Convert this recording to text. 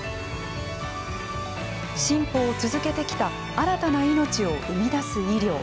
進歩を続けてきた新たな命を生み出す医療。